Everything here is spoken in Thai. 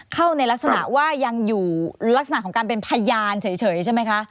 เข้าในลักษณะว่ายังอยู่ลักษณะของการเป็นพยานเฉยใช่ไหมคะ